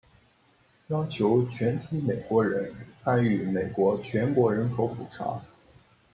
要求全体美国人参与美国全国人口普查。